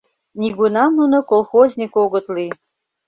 Нигунам нуно колхозник огыт лий!